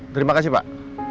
terima kasih pak